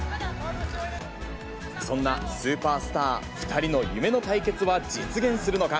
そんなスーパースター２人の夢の対決は実現するのか。